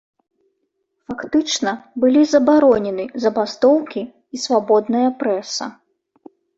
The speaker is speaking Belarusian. Фактычна былі забаронены забастоўкі і свабодная прэса.